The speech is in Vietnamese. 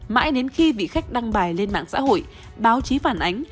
mãi đến khi bị khách đăng bài lên mạng xã hội báo chí phản ánh